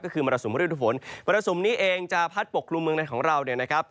ก็คือมรสุมฤดูฝนมรสุมนี้เองจะพัดปกคลุมเมืองในของเราเนี่ยนะครับ